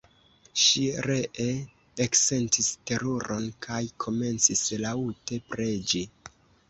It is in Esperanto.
Ŝi ree eksentis teruron kaj komencis laŭte preĝi.